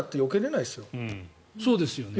そうですよね。